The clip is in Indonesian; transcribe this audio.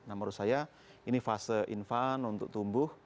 nah menurut saya ini fase infan untuk tumbuh